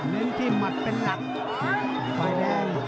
เน้นที่มัดเป็นหลักไฟแรง